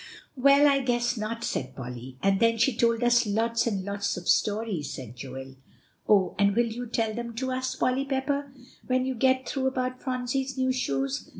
"Well, I guess not," said Polly. "And then she told us lots and lots of stories," said Joel. "Oh! will you tell them to us, Polly Pepper, when you get through about Phronsie's new shoes?"